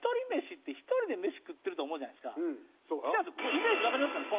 イメージわかりますかね